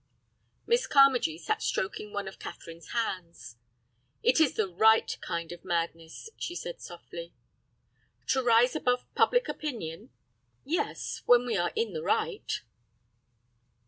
Miss Carmagee sat stroking one of Catherine's hands. "It is the right kind of madness," she said, softly. "To rise above public opinion?" "Yes, when we are in the right."